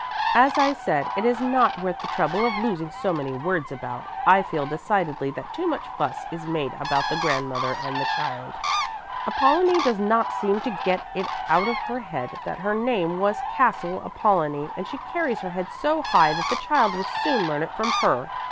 "As I said, it is not worth the trouble of losing so many words about. I feel decidedly that too much fuss is made about the grandmother and the child. Apollonie does not seem to get it out of her head that her name was Castle Apollonie and she carries her head so high that the child will soon learn it from her.